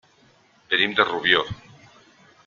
Venim de Rubió.